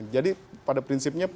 jadi pada prinsipnya